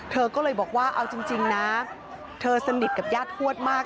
เธอก็เลยบอกว่าเอาจริงนะเธอสนิทกับญาติทวดมาก